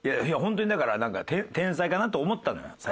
いや本当にだからなんか天才かなと思ったのよ